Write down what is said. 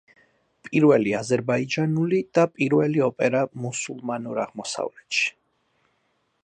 პირველი აზერბაიჯანული და პირველი ოპერა მუსულმანურ აღმოსავლეთში.